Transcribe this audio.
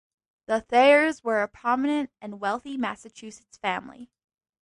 The Thayers were a prominent and wealthy Massachusetts family.